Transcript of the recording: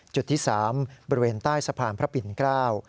จุดที่สามบริเวณใต้สะพานพระปิ่นเกล้า